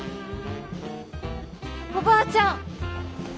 おばあちゃん！